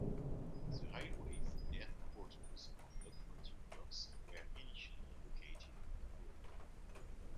The railway's headquarters and locomotive works were initially located in Bow.